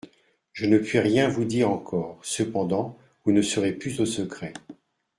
Je ne puis rien vous dire encore, cependant vous ne serez plus au secret.